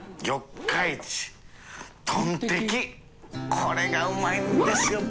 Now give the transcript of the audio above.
これがうまいんですよ。